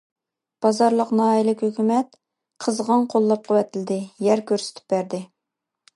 بازارلىق، ناھىيەلىك ھۆكۈمەت قىزغىن قوللاپ قۇۋۋەتلىدى، يەر كۆرسىتىپ بەردى.